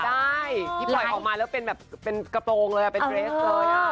ได้พี่ปล่อยออกมาแล้วเป็นกระโปรงเลยเป็นเบสเลยค่ะ